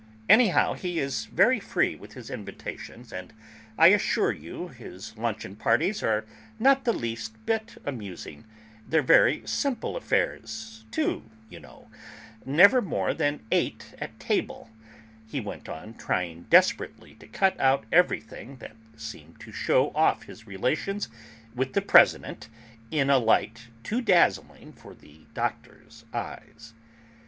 "Anyhow, he is very free with his invitations, and, I assure you, his luncheon parties are not the least bit amusing; they're very simple affairs, too, you know; never more than eight at table," he went on, trying desperately to cut out everything that seemed to shew off his relations with the President in a light too dazzling for the Doctor's eyes.